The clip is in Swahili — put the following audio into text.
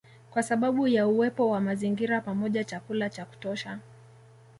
Kwa sababu ya uwepo wa mazingira pamoja chakula cha kutosha